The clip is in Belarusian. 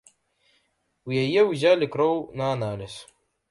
У яе ўзялі кроў на аналіз.